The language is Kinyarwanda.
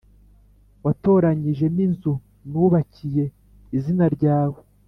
watoranyije n’inzu nubakiye izina ryawe